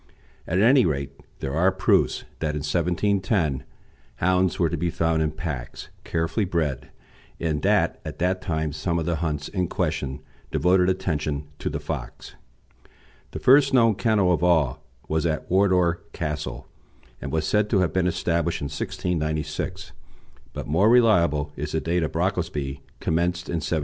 At any rate, there are proofs that in 1710 hounds were to be found in packs, carefully bred, and that at that time some of the hunts in question devoted attention to the fox. The first known kennel of all was at Wardour Castle, and was said to have been established in 1696; but more reliable is the date of the Brocklesby, commenced in 1713.